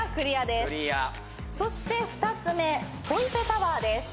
そして２つ目トイペタワーです。